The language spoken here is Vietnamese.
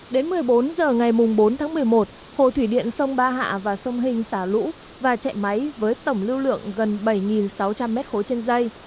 đến một mươi bốn h ngày bốn tháng một mươi một hồ thủy điện sông ba hạ và sông hình xả lũ và chạy máy với tổng lưu lượng gần bảy sáu trăm linh m ba trên dây